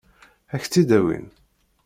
Ad k-tt-id-awin?